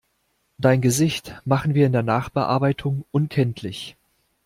Dein Gesicht machen wir in der Nachbearbeitung unkenntlich.